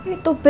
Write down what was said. itu badi ya